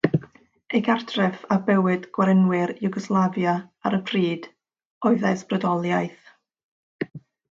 Ei gartref a bywyd gwerinwyr Iwgoslafia ar y pryd oedd ei ysbrydoliaeth.